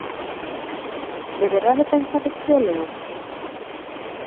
¿De verdade pensades que o leu?